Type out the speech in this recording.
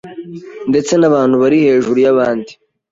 ndetse n’abantu bari hejuru y’abandi